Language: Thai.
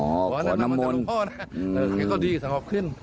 อ๋อขอน้ำมันแต่ลูกพ่อนะแต่ก็ดีสะอาบขึ้น